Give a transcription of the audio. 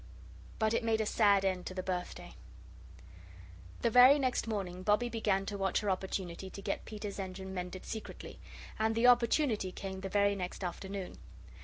But it made a sad end to the birthday. The very next morning Bobbie began to watch her opportunity to get Peter's engine mended secretly. And the opportunity came the very next afternoon.